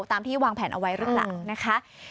ตามที่วางแผนเอาไว้รึเปล่า